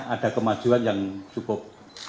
ada kemajuan yang cukup